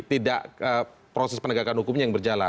tidak proses penegakan hukumnya yang berjalan